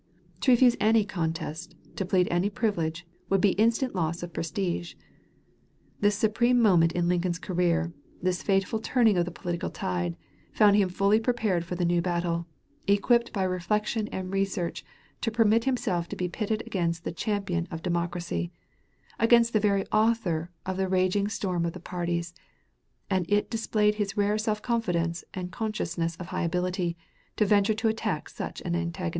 To refuse any contest, to plead any privilege, would be instant loss of prestige. This supreme moment in Lincoln's career, this fateful turning of the political tide, found him fully prepared for the new battle, equipped by reflection and research to permit himself to be pitted against the champion of Democracy against the very author of the raging storm of parties; and it displays his rare self confidence and consciousness of high ability, to venture to attack such an antagonist.